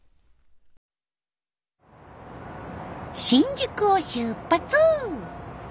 新宿を出発！